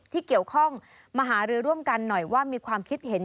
ที่เกี่ยวข้องมาหารือร่วมกันหน่อยว่ามีความคิดเห็น